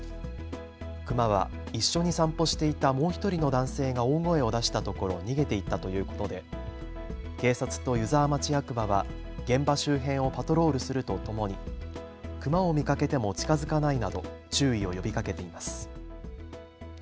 クマは一緒に散歩していたもう１人の男性が大声を出したところ逃げていったということで警察と湯沢町役場は現場周辺をパトロールするとともにクマを見かけても近づかないなど注意を呼びかけています。